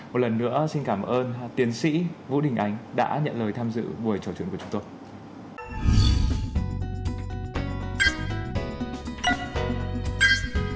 một lần nữa xin cảm ơn tiến sĩ vũ đình ánh đã nhận lời tham dự buổi trò chuyện của chúng tôi